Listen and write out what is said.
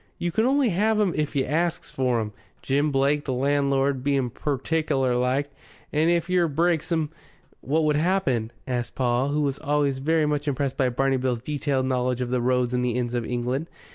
You can only have 'em if you asks for 'em, Jim Blake, the landlord, being pertickler like. And if yer breaks em " "What would happen?" asked Paul, who was always very much impressed by Barney Bill's detailed knowledge of the roads and the inns of England.